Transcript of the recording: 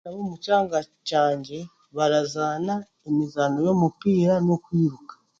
ab'omukyanga kyagye, barazaana emizaano y'omupiira n'okwiruka.